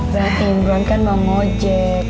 berarti imbran kan mau ngojek